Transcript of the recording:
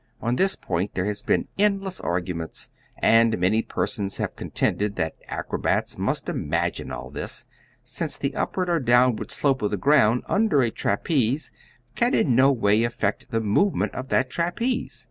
On this point there have been endless arguments, and many persons have contended that acrobats must imagine all this, since the upward or downward slope of the ground under a trapeze can in no way affect the movement of that trapeze.